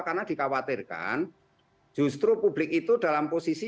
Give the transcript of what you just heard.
karena dikhawatirkan justru publik itu dalam posisi